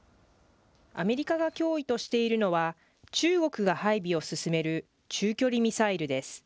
アメリカが脅威としているのは、中国が配備を進める中距離ミサイルです。